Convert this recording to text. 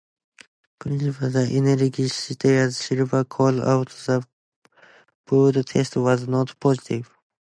Climbing the emergency stairs, Silvia calls out that the blood test was not positive.